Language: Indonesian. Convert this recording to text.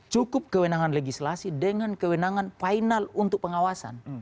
cukup kewenangan legislasi dengan kewenangan final untuk pengawasan